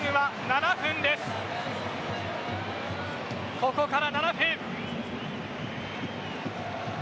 ここから７分！